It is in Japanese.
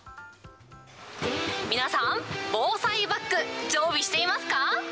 皆さん、防災バッグ、常備していますか？